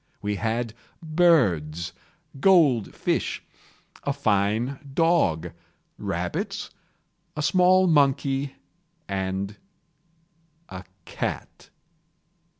We had birds, gold fish, a fine dog, rabbits, a small monkey, and a cat.